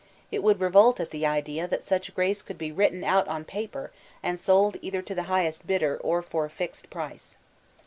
It would revolt at the idea that such grace could be written out on paper and sold either to the hic^est bidder or for a fixed price.